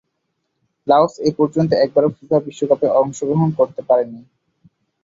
Laos এপর্যন্ত একবারও FIFA বিশ্বকাপে অংশগ্রহণ করতে পারেনি।